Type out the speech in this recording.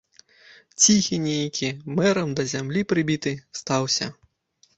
Ціхі нейкі, мэрам да зямлі прыбіты, стаўся.